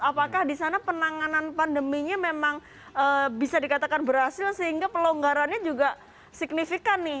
apakah di sana penanganan pandeminya memang bisa dikatakan berhasil sehingga pelonggarannya juga signifikan nih